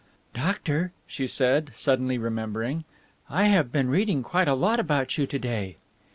"Doctor," she said, suddenly remembering, "I have been reading quite a lot about you to day."